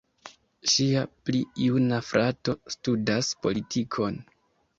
Ŝia pli juna frato studas politikon.